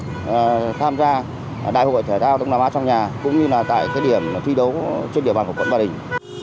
tham gia đại hội thể thao đông nam á trong nhà cũng như là tại cái điểm thi đấu trên địa bàn của quận ba đình